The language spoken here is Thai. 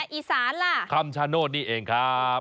และอีศาละคำชโชน์โน๊ตนี่เองครับ